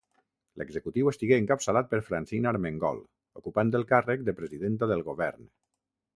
L'executiu estigué encapçalat per Francina Armengol ocupant el càrrec de Presidenta del Govern.